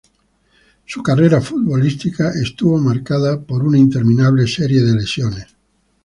Su carrera futbolística estuvo marcada por una interminable serie de lesiones.